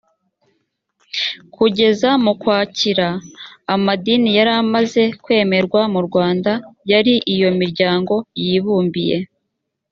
kugeza mu ukwakira amadini yari amaze kwemerwa mu rwanda yari iyo miryango yibumbiye